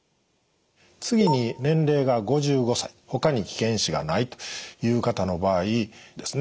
次に年齢が５５歳ほかに危険因子がないという方の場合ですね